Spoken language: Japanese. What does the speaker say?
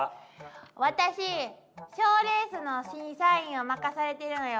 私賞レースの審査員を任されているのよ。